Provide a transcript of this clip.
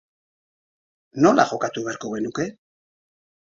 Nola jokatu beharko genuke?